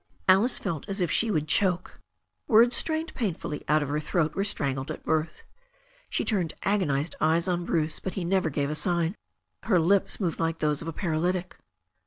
Alice felt as if she would choke. Words strained pain fully out of her throat were strangled at birth. She turned agonized eyes on Bruce, but he never gave a sign. Her lips moved like those of a paral3rtic.